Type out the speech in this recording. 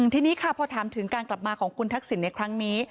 ทีนี้ค่ะพอถามถึงการกลับมาของคุณทักษิณในครั้งนี้